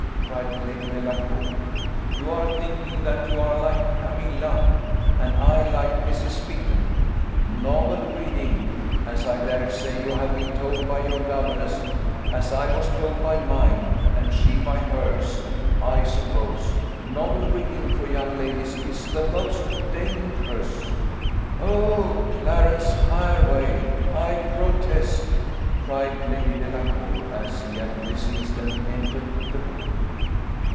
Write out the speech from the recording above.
cried Lady Delacour. "You are thinking that you are like Camilla, and I like Mrs. Mitten. Novel reading. as I dare say you have been told by your governess, as I was told by mine, and she by hers, I suppose novel reading for young ladies is the most dangerous "Oh, Clarence Hervey, I protest!" cried Lady Delacour, as he at this instant entered the room.